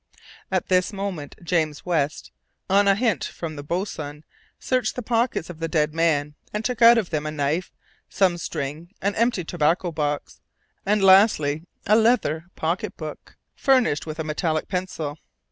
At this moment, James West, on a hint from the boatswain, searched the pockets of the dead man, and took out of them a knife, some string, an empty tobacco box, and lastly a leather pocket book furnished with a metallic pencil.